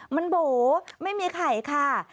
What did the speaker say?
มันโบ๋ไม่มีไข่ค่ะ